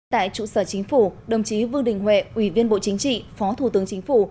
tại trụ sở chính phủ đồng chí vương đình huệ ủy viên bộ chính trị phó thủ tướng chính phủ